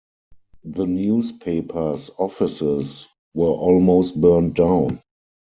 The newspaper's offices were almost burned down.